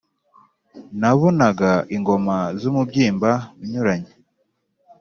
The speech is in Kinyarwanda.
nabonaga ingoma z’umubyimba unyuranye